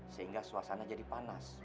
sehingga suasana jadi panas